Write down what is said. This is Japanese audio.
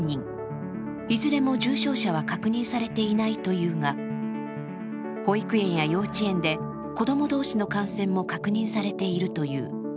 いずれも重症者は確認されていないというが、保育園や幼稚園で子供同士の感染も確認されているという。